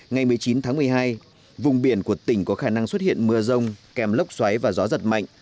ngày một mươi chín tháng một mươi hai vùng biển của tỉnh có khả năng xuất hiện mưa rông kèm lốc xoáy và gió giật mạnh